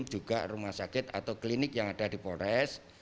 juga rumah sakit atau klinik yang ada di polres